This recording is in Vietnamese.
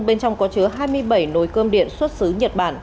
bên trong có chứa hai mươi bảy nồi cơm điện xuất xứ nhật bản